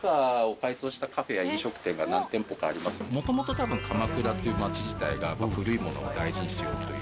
もともと多分鎌倉っていう街自体が古いものを大事にしようという。